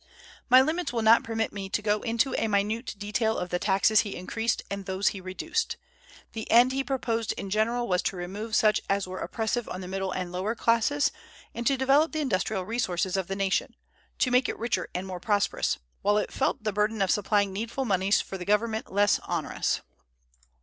My limits will not permit me to go into a minute detail of the taxes he increased and those he reduced. The end he proposed in general was to remove such as were oppressive on the middle and lower classes, and to develop the industrial resources of the nation, to make it richer and more prosperous, while it felt the burden of supplying needful moneys for the government less onerous.